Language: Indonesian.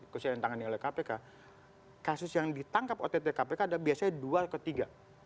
khususnya yang ditangani oleh kpk kasus yang ditangkap ott kpk ada biasanya dua ketiga